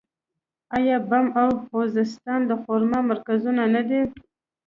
آیا بم او خوزستان د خرما مرکزونه نه دي؟